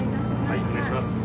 はい、お願いします。